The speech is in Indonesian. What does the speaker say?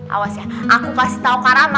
awas ya aku kasih tau karama